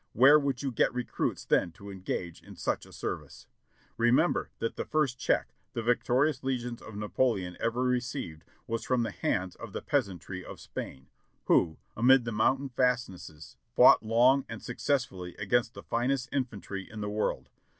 Where would you get recruits then to engage in such a service? Remember that the first check the victorious legions of Napoleon ever received was from the hands of the peasantry of Spain, who, amid the mountain fast nesses, fought long and successfully against the finest infantry in the world.